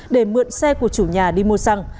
để mượn xe của chủ nhà đi mua xăng